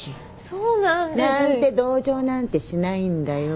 そうなんです。なんて同情なんてしないんだよ